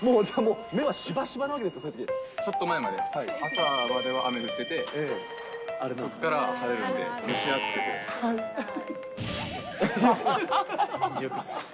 目がしばしばなんですか、ちょっと前まで、朝までは雨降ってて、そこから晴れるんで、蒸し暑くて、最悪。